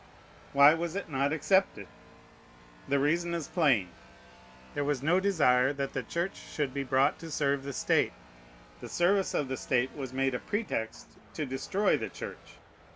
Why was it not accepted? The reason is plain: There was no desire that the Church should be brought to serve the State. The service of the State was made a pretext to destroy the Church.